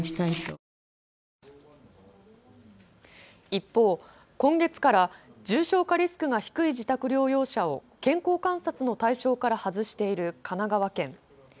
一方、今月から重症化リスクが低い自宅療養者を健康観察の対象から外している神奈川県。